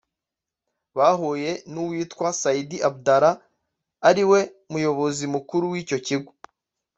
bahuye n’uwitwa Said Abdallah ari nawe Muyobozi Mukuru w’icyo kigo